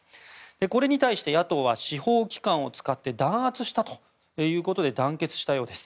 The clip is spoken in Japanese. これに対して野党は司法機関を使って弾圧したということで団結したようです。